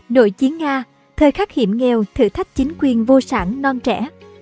nội chiến nga thời khắc hiểm nghèo thử thách chính quyền vô sản non trẻ